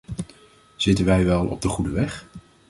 Zitten wij wel op de goede weg?